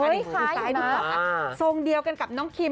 อันนี้คล้ายมากทรงเดียวกันกับน้องคิม